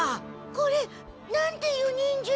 これなんていう忍術？